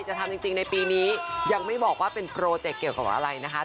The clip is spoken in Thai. ทำจริงในปีนี้ยังไม่บอกว่าเป็นโปรเจกต์เกี่ยวกับอะไรนะคะ